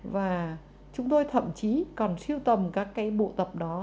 và chúng tôi thậm chí còn siêu tầm các cái bộ tập đó